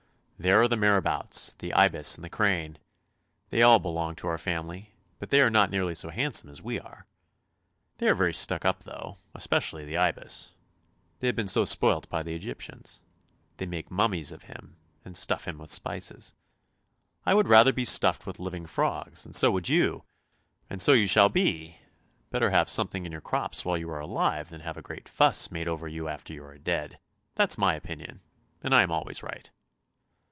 There are the marabouts, the ibis, and the crane. They all belong to our family, but they are not nearly so handsome as we are; they are very stuck up though, especially the ibis, they have been so spoilt by the Egyptians. They make mummies of him, and stuff him with spices. I would rather be stuffed with living frogs, and so would you, and so you shall be ! Better have something in your crops while you are alive than have a great fuss made over you after you are dead. That is my opinion, and I am always right."